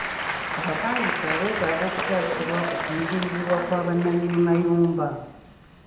Abapangisa beetaaga okutaasibwa ku kunyigirizibwa kwa bannanyini mayumba.